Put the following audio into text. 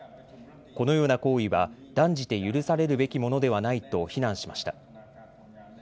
このような行為は断じて許されるべきものではないと非難しました。